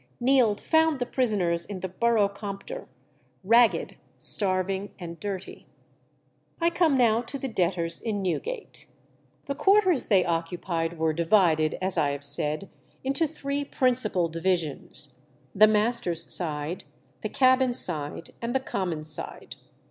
Neild found the prisoners in the Borough Compter ragged, starving, and dirty. I come now to the debtors in Newgate. The quarters they occupied were divided, as I have said, into three principal divisions the master's side, the cabin side, and the common side.